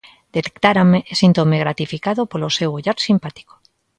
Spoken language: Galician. Detectárame e síntome gratificado polo seu ollar simpático.